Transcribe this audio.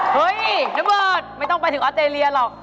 เฮ้ยน้ำเบิร์ดไม่ต้องไปถึงออสเตรเลียหรอก